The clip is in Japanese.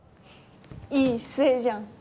いい姿勢じゃん。